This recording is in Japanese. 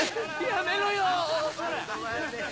やめろよ！